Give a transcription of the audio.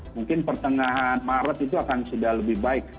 mungkin pertengahan maret itu akan sudah lebih baik